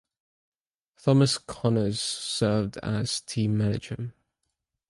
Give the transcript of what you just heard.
Thomas Connors served as team manager.